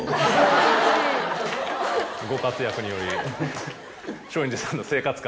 ご活躍により松陰寺さんの。